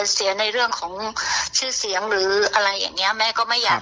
เสียในเรื่องของชื่อเสียงหรืออะไรอย่างนี้แม่ก็ไม่อยาก